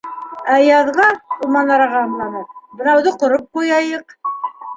Ә яҙға, - ул манараға ымланы. - бынауҙы ҡороп ҡуяйыҡ.